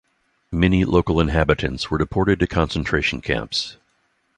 Many local inhabitants were deported to concentration camps.